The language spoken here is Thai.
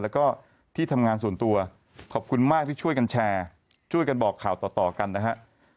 แล้วก็ที่ทำงานส่วนตัวขอบคุณมากที่ช่วยกันแชร์ช่วยกันบอกข่าวต่อกันนะฮะ